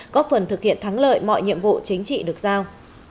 góp phần thực hiện thắng lợi mọi nhiệm vụ chính trị được giao